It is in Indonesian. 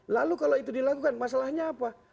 lalu kalau itu dilakukan masalahnya apa